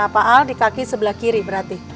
pak al di kaki sebelah kiri berarti